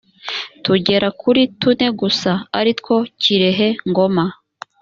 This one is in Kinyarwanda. tugera kuri tune gusa aritwo kirehe ngoma